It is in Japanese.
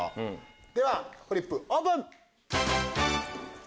ではフリップオープン！